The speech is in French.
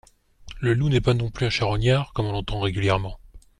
Le loup n’est pas non plus un charognard, comme on l’entend régulièrement.